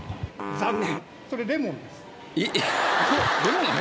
残念？